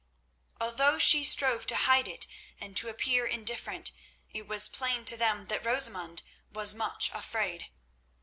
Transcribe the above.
Although she strove to hide it and to appear indifferent, it was plain to them that Rosamund was much afraid.